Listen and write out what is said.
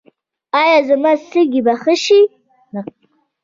ایا زما سږي به ښه شي؟